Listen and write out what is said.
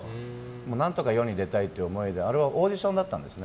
何とか世に出たいという思いであれはオーディションだったんですね。